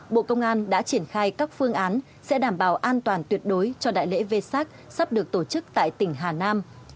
bộ công an đã triển khai các phương án sẽ đảm bảo an toàn tuyệt đối cho đại lễ v sac sắp được tổ chức tại tỉnh hà nam